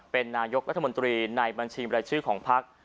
เป็นนายกรัฐมนตรีในบัญชีบรายชื่อของพัก